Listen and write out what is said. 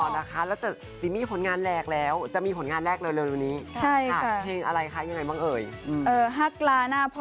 แล้วซีมี่ผลงานแลกแล้วจะมีผลงานแลกเร็วค่ะ